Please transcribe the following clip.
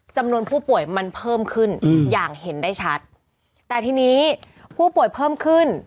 จำนวนผู้ป่วยมันเพิ่มขึ้นอย่างเห็นได้ชัดแต่ทีนี้ผู้ป่วยเพิ่มขึ้น